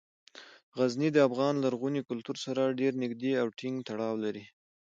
غزني د افغان لرغوني کلتور سره ډیر نږدې او ټینګ تړاو لري.